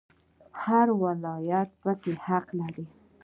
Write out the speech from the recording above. هر ولایت پکې حق لري